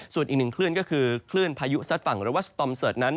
ส่วนอีกหนึ่งคลื่นก็คือคลื่นพายุซัดฝั่งหรือว่าสตอมเสิร์ตนั้น